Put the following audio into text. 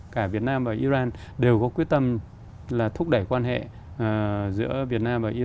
cả việt nam và iran đều có quyết tâm là thúc đẩy quan hệ